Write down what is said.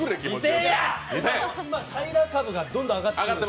たいら株がどんどん上がってる。